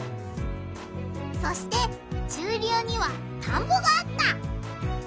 そして中流にはたんぼがあった。